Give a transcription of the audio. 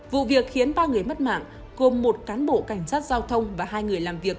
vụ việc khiến ba người mất mạng gồm một cán bộ cảnh sát giao thông và hai người làm việc